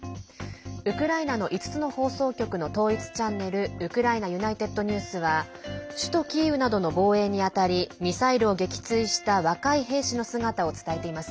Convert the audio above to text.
ウクライナの５つの放送局の統一チャンネル、ウクライナＵｎｉｔｅｄＮｅｗｓは首都キーウなどの防衛に当たりミサイルを撃墜した若い兵士の姿を伝えています。